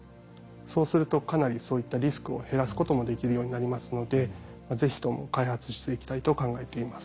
そうするとかなりそういったリスクを減らすこともできるようになりますので是非とも開発していきたいと考えています。